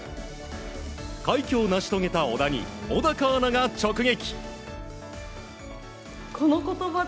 快挙を成し遂げた小田に小高アナが直撃。